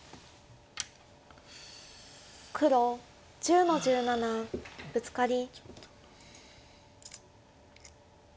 黒１０の十七ブツカリ。